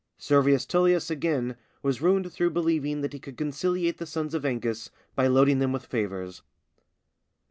Servius Tullius again, was ruined through believing that he could conciliate the sons of Ancus by loading them with favours.